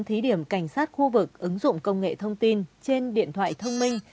thí điểm cảnh sát khu vực ứng dụng công nghệ thông tin trên điện thoại thông minh